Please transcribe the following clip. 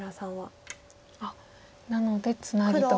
あっなのでツナギと。